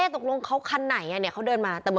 ไม่รอดเป็นตำรวจจริงหรือเปล่าเนี่ยยังไม่เจอ